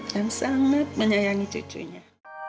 yang sangat menyayangi cucunya